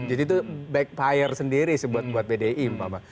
jadi itu backfire sendiri buat bdi